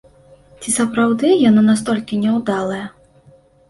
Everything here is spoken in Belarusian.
Ці сапраўды яно настолькі няўдалае?